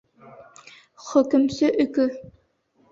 Хөкөмсө өкө